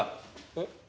えっ。